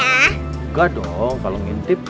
buka dong kalau nyintip